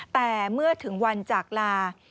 แต่เมื่อถึงวันจากลา